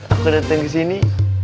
aku datang ke sini